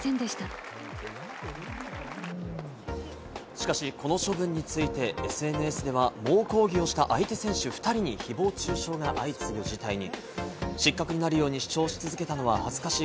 しかしこの処分について、ＳＮＳでは猛抗議をした相手選手２人に誹謗中傷が相次ぐ事態に。